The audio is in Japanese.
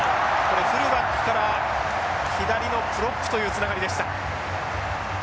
フルバックから左のプロップというつながりでした。